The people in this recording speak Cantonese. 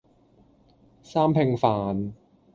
三拼飯